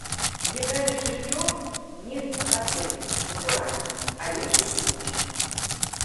Мне далі жыллё, не гатэль, натуральна, але жыць можна.